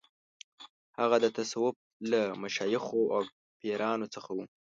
هغه د تصوف له مشایخو او پیرانو څخه و.